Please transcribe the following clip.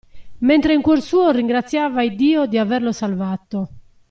mentre in cuor suo ringraziava Iddio di averlo salvato.